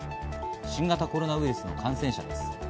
新型コロナウイルスの感染者です。